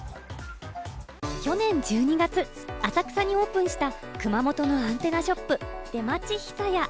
去年１２月、浅草にオープンした熊本のアンテナショップ・出町久屋。